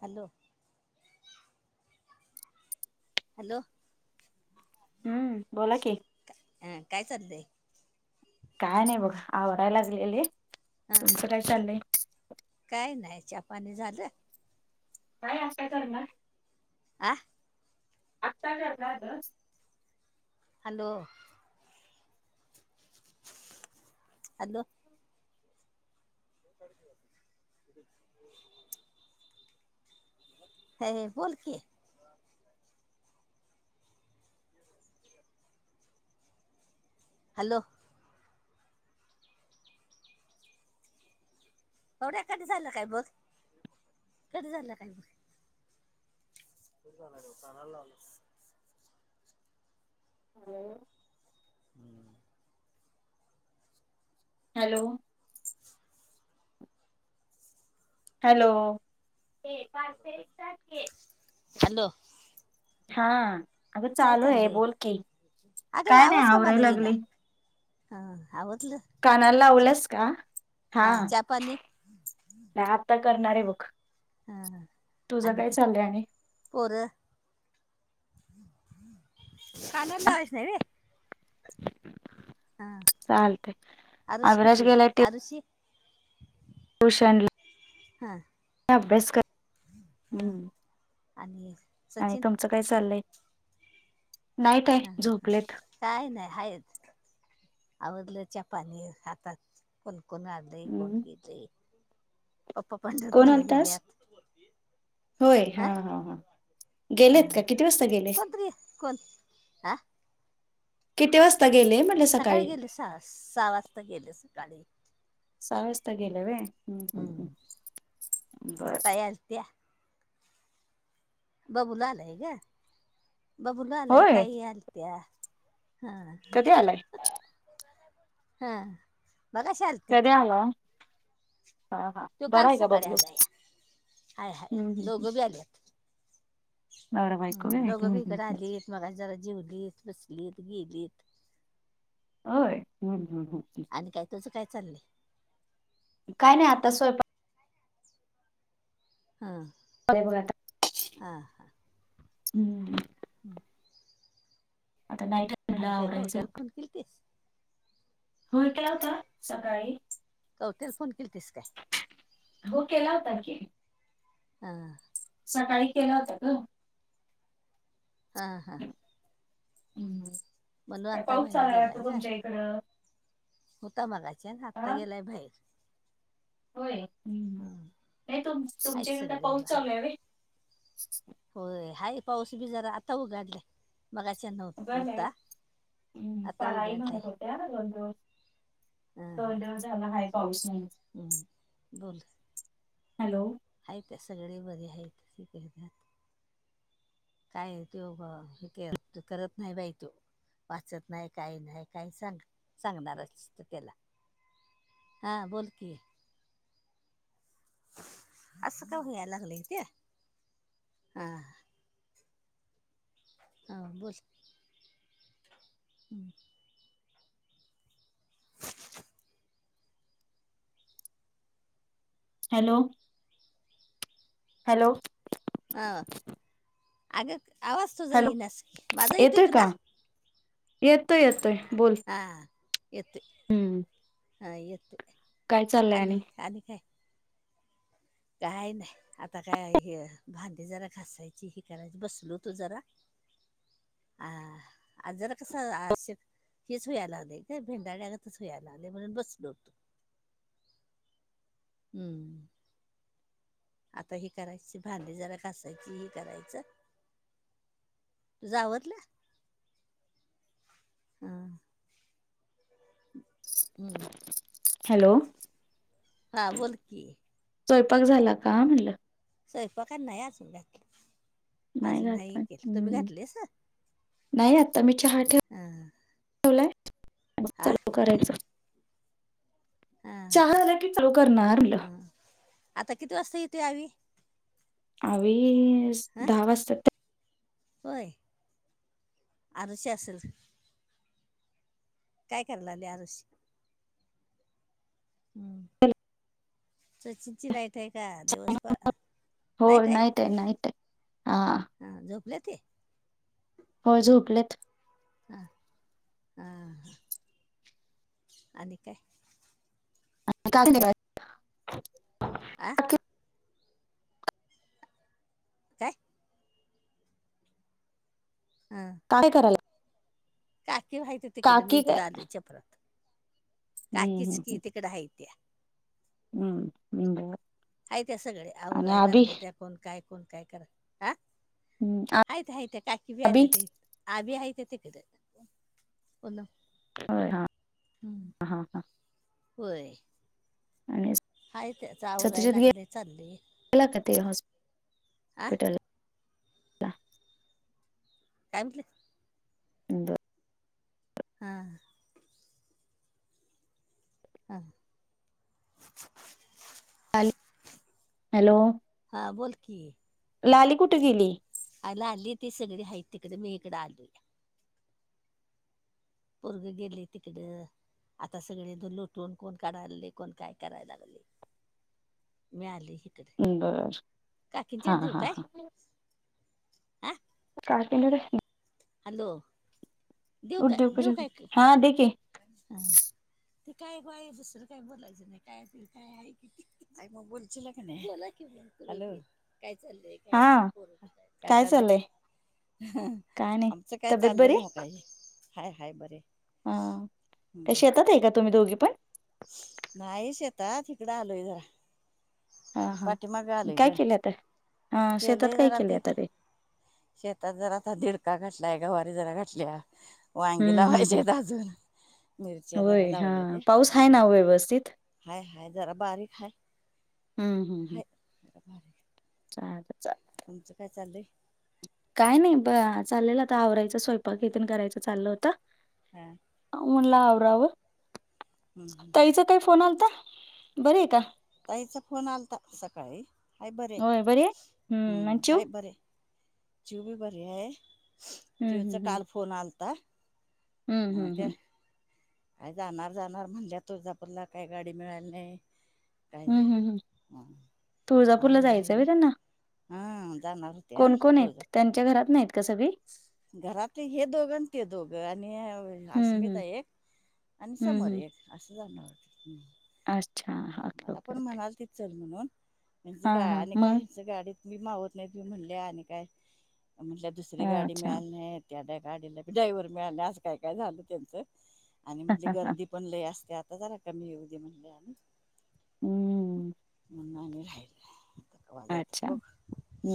Hello hello हम्म बोला की. हं काय चालतय काय नाही बघा हा वरायला असलेले हा तुमचं काय चाललेय काय नाही पाणी झालं काय असं करणार आ आत्ता घ राहातस हॅलो अध परश ह बोल की हॅलो हो त्या काधी झायला का ब कध झाला का ब तू जाणार काना लावल हो हम्म हॅलो हॅलो हॅलो हा अगं काय चालू आहे चाललंय बोलकीी अगं काय नाही आवाज का आवराय मला येईना लागले हा आवतल कानाल लावलंस का हा चहा पाणी नाही आता करणार आहे बघ हा तुझं काय चाललंय आणि पुर कानंद विष्णवे चालते अविराज गेला ते दृषी ट्यूशन हा अभ्यास कर हा हम्म. आणि आणि सचिन तुमचं काय चाललंय नाईट आहे हा ह हा झोपलेत काय नाही हाच आवडलं च पाणी हातात फलकून हम्म. कोणगी पप्पा कोण पंढरपूरला आलतास गेल्यात होय हा हा हा हा गेलेत का किती वाजता गेले कोणतरी कोण हा किती वाजता गेले म्ह सकाळी गेले सहा सहा वाजता गेले सकाळी सहाजता गेलं व बर लत्या बाबूला आला आहे ग बबूला आलाय होय ताई आलत्या हा कधी आलाय हा बघाश कधी आला. हा हा तो बरा काल आहे का सकाळी बबलू आला या हम्म, हाय हाय हम्म, हम्म. दोघं बी आलेत. नवरा बायको व्हय हम्म दोघं भि हम्म, इकडं हम्म. आलीत मगा जरा जेवलीत बसलीत गेलीत. अ ह आणि काय तुझं काय चाललंय काय नाही आता स्वयंपा हा का हा हा. हम्म. हम्म आता नाईट मला आणि काय आवरायचं कवत्याल फोन केलतीस. होय काय आता सकाळी. कवत्याल फोन केलतीस काय? हो केला होता की. हा. सकाळी केला होत ग. हा हा. हम्म हम्म म्हणून काय आता पाऊस बाहेर चालाय गेलाय वाटतो ग तुमच्या इकडं. होता मगाच्याळ आत्ता हा गेलाय बाहेर. होय हम्म हं. नाही तुम आहेत तुमच्याकड कट सगळे पाऊस आहेत चालू व्हय. होय हाय पाऊस बी जरा आता उघडलाय. मगाशी न्हव बरं आहे होता आता उघाडलाय. या ना दोन दिवस, दोन दिवस झाला आहे पाऊस. हम्म दोन दीस. हॅलो. आहेत त्या सगळे बरे आहेत ते [inaudible] काय त्यो ह हे क करत नाही बाई तो. वाचत नाय काय नाय काही सांग सांगणार असत त्याला. हां बोल की. असं का व्हयाला लागलंय त्या हा. हा बोल हम्म. हॅलो. हॅलो. ह अग आवाज तुझा हॅलो येईनास की माझा येतोय तुला. येतोय येतोय बोल. हां येतोय. हम्म. हा येतोय काय चाललंय आली आणि? आली काय? काय नाय. आता काय हे भांडी जरा घासायची ही करायची बसलो होतो जरा. हां अ जरा कस आश. तेच व्हयाला आले तेच [unintelligible] [unintelligible] आले म्हणून बसलो होतो. हम्म. आता हे करायची भांडी जरा घासायची हे करायचं. तुझं आवरलं. हां. हम्म. हॅलो. हा बोल की. स्वयंपाक झाला का म्हणटलं स्वयंपाक नाही अजून घातलं अजून नाही घातला. केलं तुम्ही हम्म घातलेस नाही आता मी चहा ठ हा ठेवलाय. मग हा चालू करायचा. हा चहा झाला की चालू करणार म्हणलं. हा आता किती वाजता येते आवि? आवी हा दहा वाजता होय आरुष्य असेल काय करायला आले आरुष्य हम्म सचिनची नाक ते का दिवस प हो नाहीहत आहे नाईट नाईट आहे. हा ह झोपले ते हो झोपलेत हा हा ह आणि काय का आं काय हा काय करा काकी वयती तिकडे मी काकी काय इकडे आलो चपरात काकीच हम्म की तिकड हयती हम्म निंग ह त्या सगळे आवरायला लागले त्या कोण काय कोण काय करा हा हं, आहेतित आहेतित आहे काकी बी अभि आल्या ते आ बी आहेत ते कण होय हा हम्म हा हा. होय आणि आहे त्याचं टल आवरायला लागले चालले आ काय म्हटलं [unintelligible] हा हं हॅल हॅलो हां बोल की लाली कुठे गेली आला आली ती सगळी आहेा तिकडे मी इकडडे आली पुरगं गेले तिकडं आता सगळे द लोटून कोण काढायले कोण काय करायला लागले मी आली इकडे बर काकीन हा चड देऊ हा काय हा. हा काटन हॅलो देव काय देव उद्योगपती काय हा देखे हा ते काय गय बसर काय बोलायचं नाही काय त काय आहे किती काय मग बोलच काी नाहीला क हॅलो काय चाललंय हा काही नाही काय चाललंय काय नाही आमचं काय तब्येत बरी? चाललंय काही हाय हय बरे हा हं. तशी येतात आहे का तुम्ही दोघी पण नाही शेत तिकडें आलोय जरा हा हा. पाठीमाग आलोय काय तरर केलं आता? हा शेतात केले काय जरा केले ते आता शेतात जरा आता दिडका घटलाय गवारी जरा घटल्या वांगी हम्म हम्म लावायचे हम्म. अजून मिरच्या जरा होय हा लावल्या ते पाऊस आहे ना व्यवस्थित? हाय हाय जरा बारीक हाय हं हं ह तर बर चा चाल तुमचं काय चालय काय नाही ब चाललेलं आता आवरायचं स्वयंपाकेतन करायचं चाललं होतं हम् म्हणलावरावर हम्म ताईचा काय फोन आलता बर का ताईचा फोन आलता सकाळी हाय बरे होय बरी आहे हम्म आणि चिऊ हाय बरे ज्यव बी बरी आहे हम्म ज्यवचा हम्म काल फोन आलता हम्म अ हम्म हम्म त्या हम्म काय जाणार जाणार म्हणल्या तुळजापूरला काही गाडी मिळाल नाही. काय हम्म हम् हम् झालं तुळजापूरला आणि जायचं राहिलं आहे त्यांना हा जाानतय. नाही त्यांच्या घरात नाहीत का सग घरातले हे दोघं आणि ते दोघं आणि हम्म अस्मिता हम्म एक आणि हम्म समोर हम्म एक असं जाणं वाटतं. अच्छा ह. मला पण म्हणाल ती चल म्हणून म्हच हा गा हा आणि मग कायच गाडी मी मावत नाही मी म्हटले आणि काय म्हटल्या दुसरी गाडी अच्छा मिळाली नाहीत. त्याड्या काढलाी ड्रायव्हर मिळाले असं काय काय झालं त्यांचं आणि म्हणजे गर्दी पण लय असते आता जरा कमी येऊ दे म्हणले. हम्म. मुन् नाही नाही रायला त वा जात अच्छा बोघ. हम्म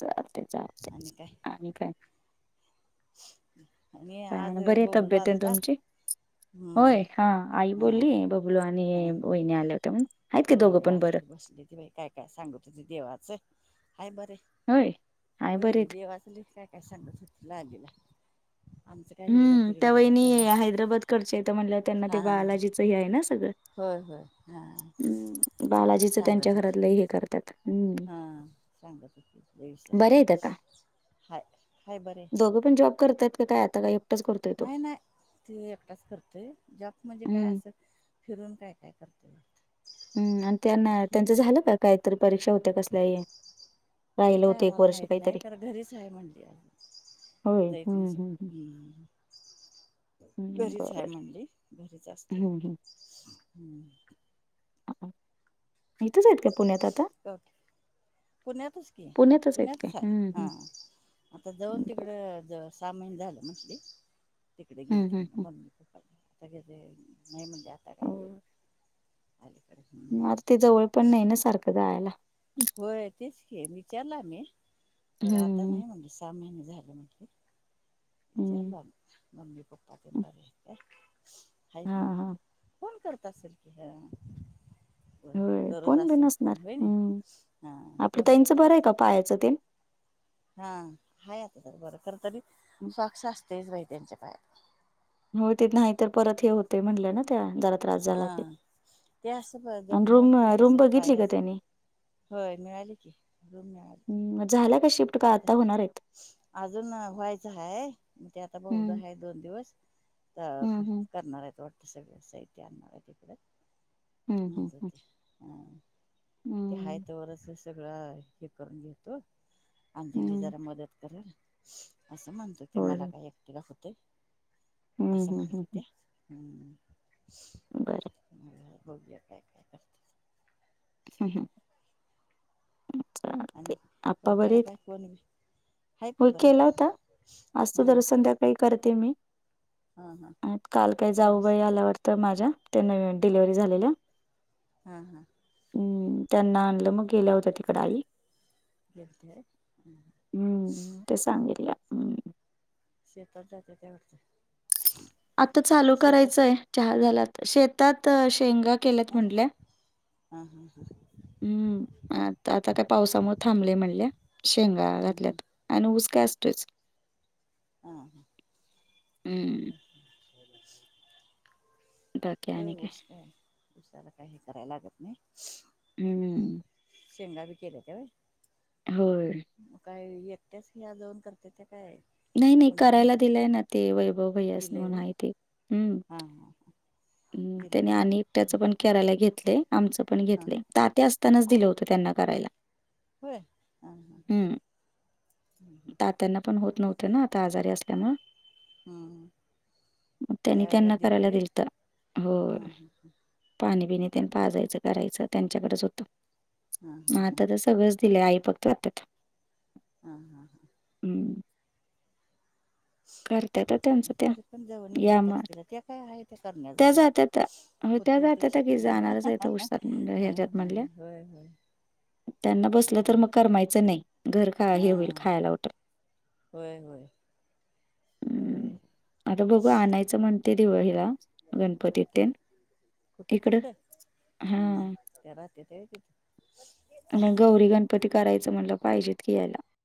चाल ते चालते आणि आणि काय? आणिी काय आज आणि बरी आहे बबलो तब्येत तेन आलता. तुमची हम्म होय हा आई हा बोलली बबलो आणि हा हा वहिने आल्या होते्या म्हण. होय आलत बसली ती बाई काय काय सांगू तुझे देवाचं आहेाय बरं. होय. आहे बरे होय आहेत. जेवाचलीच काय काय सांगत हो लागल. हम्म त्यावेहिणी हैदराबाद कडचे आहे तर म्हणलं त्यांना ते हा बा बालाजीच ह आहे ना सगळं. होय होय हां. हम् बालाजीच त्यांच्या घरातलं हे करतात हम्म. हां चांगलं त विचर बरे आहेत हाय हाय बर आहे. ोघं पण जॉब करतात काय आता काय? एकटाच करतोय तो. नाही नाही ते एकटाच करतय जॉब म्हणजे काय हम्म असं. फिरून काय काय करते. हम् आणि त्यांना त्यांचं झालं का कायतरी परीक्षा होत्या कसल्या हे. हे राहिलं काय होतं एक आम्हाला वर्ष माहित नाही काहीतरी. कार घरीच आहे म्हणल. जायेत नाही हम्म. हम्म, घरीच आहे बरं म्हणली घरीच असते हम्म हम्. हम्म. इथंच आहेत का पुण्यात आता पुोणे तच की पुण्यातच पुोणेण्या आहेत त काय? सा हम्म हा. आता जाऊन हम्म. तिकडं सामान झालं म्हटली. तिकडे गेल हं, त हं, म्हणा हं. मग ममी प्पा आताग नाही म्हणजे आता काय गेल. हो. आता ते जवळ पण नाही ना सारखं जायला. होय तेच घ विचारला मी तर आता हं. नाही म्हणलं सहा महिने झाले म्हट. इ हं, ला मम्मी पप्पाातन हं. बर आहे का? हां, हां. फोन करत असेल की ह. हो होय दररोज कोण बी असेल नसणार. फोन होई ना हं. हा फोन करत असेल. पाहायचं ते हा आहेा आता तर बरं खर तरी स्वाक्ष असतेच बाई त्यांच्या पाया होती नाही तर परत हे होते म्हटलं ना त्या त्रास हा झाला की. ते असं ब आणि रूम जमनीवरती अ, रूम तसच बघितली का पायास त्यांनी? होय मिळालेली की रूम मिळाली. हं, मग झाल्या कशी अजून हयच हाय त्याता ब उद हं, आहे. दोन दिवस हं, हं. करणार आहेत वाटत सगळ साहित्य आणणार आहे तिकडें. हं, हं, हं. मजात हा. ते हाय हं, त्यावढच सगळं हे करून घेतो अंजली हं. जरा मदत करल. असं म्हणतो त्या होय, मला होय. काय एकटिवा होतय हं, असं हं, हं, म्हणतो हं. त्या ह् बरं. बगूया काय काय करते. हम्म आणि त्या्याला काय क नई होय केला होता असतो तर संध्याकाळी करते मी हा हा काल काही दररोज जाऊबाई आल्या वाटत माझ्या त्यानां डिलिव्हरी झालेल हा हा हम्म त्यांना आणलं मग गेला होत तिकड आई् गेलते ते सांगितल्या शेतात जातं त्या वाटत आता चालू करायचंय चहा झालात शेतात शेंगा केल्यात म्हटल्या ह हं हम्म आता आता काय पावसामुळे थांबले म्हणल्या शेंगा हा हा घातल्यात आणि ऊस काय असतोच हां हा हम्म बाकी आणि होय काय ऊस का आहे ऊसाला काही हे कराय लागत नाही हम्म शेंगा ब केल्या का हो मग काय एकट्याच हया जाऊन करते ते काय नाही नाही कोणाला करायला घेते दिलंय ना ते वैभव भयास म्हून आहे ते हम्म हां हं ह त्याने आणि त्याचं पण कराला घेतलं आमचं पण हा घेतलं तात्या असतानाच दिलं होतं त्यांना करायला होय ह ह हू हू त्यांना पण होत नव्हते ना आता आजारी असल्यामुळे हम्म मग त्यांनी त्यावेळेला त्यांना दिलंय करायला व्हय दिल्थ हो हा हा पाणीपिणी त्यां पाजायचं करायचं त्यांच्याकडेच हा हा होतं हा आता तर सगळंच दिलेय आई फक्त आतात हा हा हा हम्म करतेत त्यांच हा त्या तरी पण जवळ येत यामात असतील त्या काय आहे त्या करण्याजोग्या जात्यात हो त्या होतंय गता त्यास क हा जाणारच आहे उष्तात म्हण हा हच्यात हा म्हटल्या होय होय त्यांना बसलं आता तर होय मग करमायचं नाही घर हा हे होईल खायला उटल होय होय हम्म होय आता बघू आणायचं म्हणते दिवाळी ला गणपतीत ते होतं तिकडं हम हा त्या रात्यात हेकी गौरी गणपती करायचं म्हणलं पाहिजेत की यायला